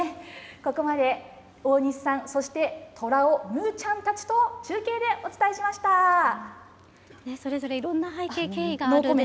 ここまで大西さん、そしてとらお、ムーちゃんたちと中継でお伝えしそれぞれいろんな背景、経緯があるんでしょうね。